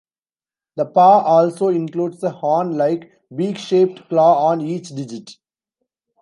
The paw also includes a horn-like, beak shaped claw on each digit.